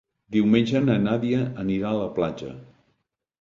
Diumenge na Nàdia anirà a la platja.